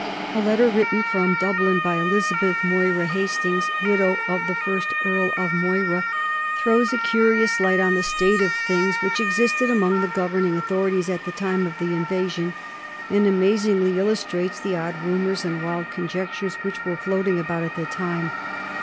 A letter written from Dublin by Elizabeth Moira Hastings, widow of the first Earl of Moira, throws a curious light on the state of things which existed among the governing authorities at the time of the invasion, and amazingly illustrates the odd rumors and wild conjectures which were floating about at the time.